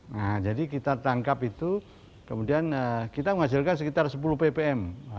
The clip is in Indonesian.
nah jadi kita tangkap itu kemudian kita menghasilkan sekitar sepuluh ppm